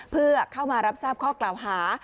เพื่อเข้ามารับทราบข้อกล่าวหา